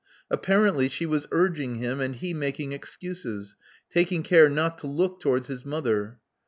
Apparently she was urging him, and he making excuses, taking care not to look towards his mother.